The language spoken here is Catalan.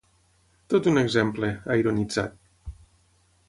“Tot un exemple”, ha ironitzat.